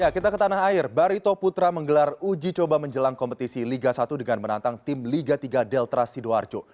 kita ke tanah air barito putra menggelar uji coba menjelang kompetisi liga satu dengan menantang tim liga tiga delta sidoarjo